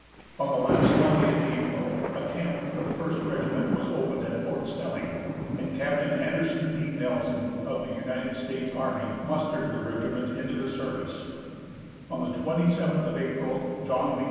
On the last Monday in April a camp for the First Regiment was opened at Fort Snelling, and Capt. Anderson D. Nelson of the United States army mustered the regiment into the service. On the 27th of April John B.